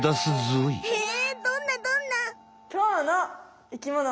へえどんなどんな？